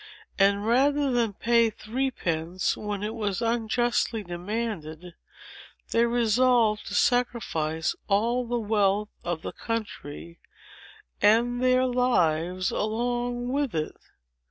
And, rather than pay three pence when it was unjustly demanded, they resolved to sacrifice all the wealth of the country, and their lives along with it.